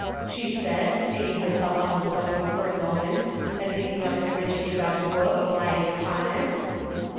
she said, seating herself on the sofa for a moment and picking up the richly bound book lying upon it.